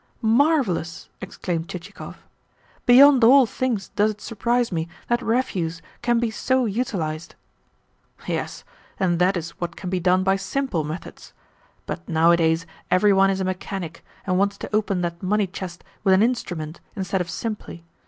"Marvellous!" exclaimed Chichikov. "Beyond all things does it surprise me that refuse can be so utilised." "Yes, and that is what can be done by SIMPLE methods. But nowadays every one is a mechanic, and wants to open that money chest with an instrument instead of simply.